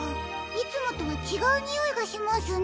いつもとはちがうにおいがしますね。